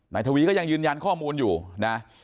ทวีก็ยังยืนยันข้อมูลอยู่นะ